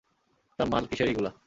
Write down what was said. তা মাল কিসের এইগুলা?